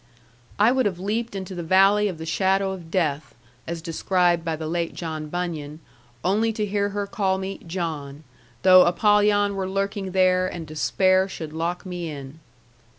I would have leaped into the valley of the shadow of death (as described by the late John Bunyan), only to hear her call me 'John'; though Apollyon were lurking there, and Despair should lock me in.